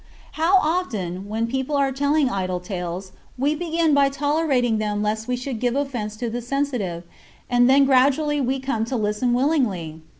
How often, when people are telling idle tales, we begin by tolerating them lest we should give offense to the sensitive; and then gradually we come to listen willingly!